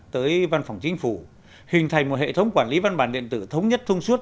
tới văn phòng chính phủ hình thành một hệ thống quản lý văn bản điện tử thống nhất thông suốt